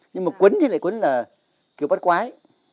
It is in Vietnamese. nhưng mà quấn thì lại quấn là kiểu bắt quái ấy